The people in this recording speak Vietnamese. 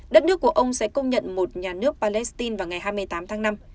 đất nước của ông sẽ công nhận một nhà nước palestine vào ngày hai mươi tám tháng năm